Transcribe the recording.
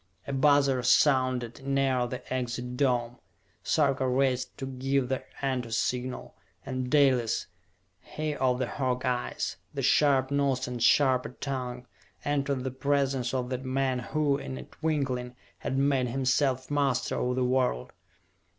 A buzzer sounded near the Exit Dome. Sarka raced to give the "Enter" Signal and Dalis, he of the hawk eyes, the sharp nose and sharper tongue, entered the presence of the man who, in a twinkling, had made himself master of the world.